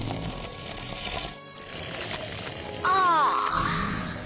ああ。